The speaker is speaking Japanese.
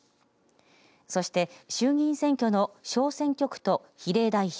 そして、衆議院選挙の小選挙区と比例代表